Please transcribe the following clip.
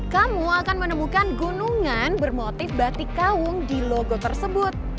kamu akan menemukan gunungan bermotif batik kawung di logo tersebut